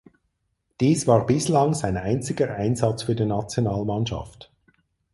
Dies war bislang sein einziger Einsatz für die Nationalmannschaft.